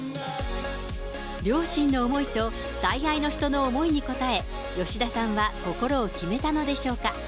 両親の思いと最愛の人の思いに応え、吉田さんは心を決めたのでしょうか。